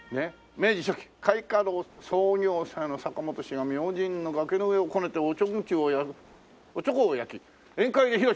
「明治初期開花楼創業者の坂本氏が明神の崖の土をこねてお猪口を焼き宴会で披露しました」